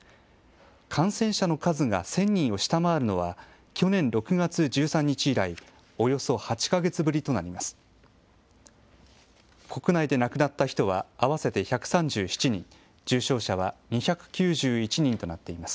感染者の数が１０００人を下回るのは、去年６月１３日以来、およそ８か月ぶりとなります。